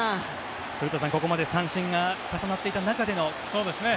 古田さん、ここまで三振が続いていた中での。